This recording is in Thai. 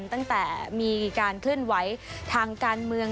ตั้งแต่มีการเคลื่อนไหวทางการเมือง